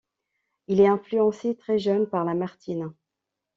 Il est influencé très jeune par Lamartine.